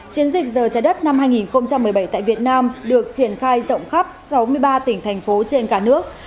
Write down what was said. chiến dịch giờ trái đất năm hai nghìn một mươi bảy tại việt nam được triển khai rộng khắp sáu mươi ba tỉnh thành phố trên cả nước